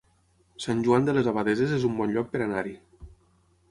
Sant Joan de les Abadesses es un bon lloc per anar-hi